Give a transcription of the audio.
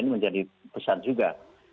ini menjadi besar juga